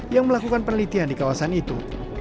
yang melakukan penelitian di kawasan itu